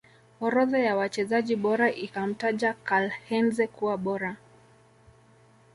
orodha ya wachezaji bora ikamtaja KarlHeinze kuwa bora